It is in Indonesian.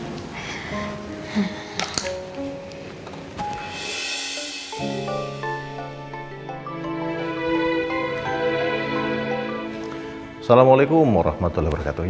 assalamualaikum warahmatullahi wabarakatuh